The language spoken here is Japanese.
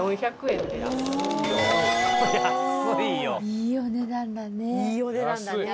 いいお値段だね。